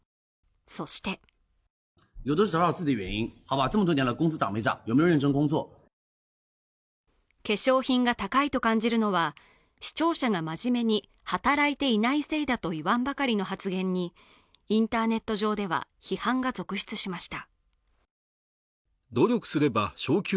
そして化粧品が高いと感じるのは視聴者が真面目に働いていないせいだと言わんばかりの発言にインターネット上では批判が続出しました